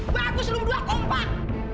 bagus lu berdua kompak